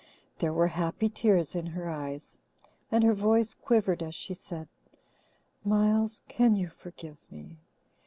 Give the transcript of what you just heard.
There were happy tears in her eyes and her voice quivered as she said, "Miles, can you forgive me?